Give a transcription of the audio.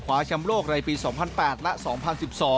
คว้าชำโลกในปี๒๐๐๘และ๒๐๑๒